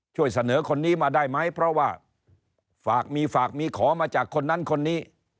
ช่วยเสนอคนนี้มาได้ไหมเพราะว่าฝากมีฝากมีขอมาจากคนนั้นคนนี้